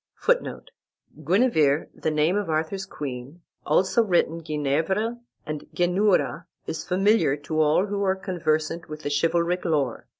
[Footnote: Guenever, the name of Arthur's queen, also written Genievre and Geneura, is familiar to all who are conversant with chivalric lore.